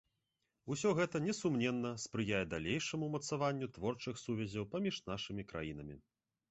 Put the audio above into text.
Усё гэта, несумненна, спрыяе далейшаму ўмацаванню творчых сувязяў паміж нашымі краінамі.